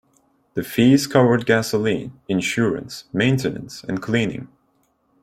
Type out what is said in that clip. The fees covered gasoline, insurance, maintenance, and cleaning.